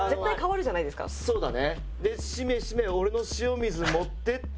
そうだね。